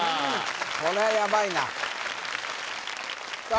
これはやばいなさあ